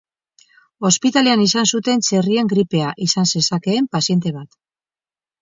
Ospitalean izan zuten txerrien gripea izan zezakeen paziente bat.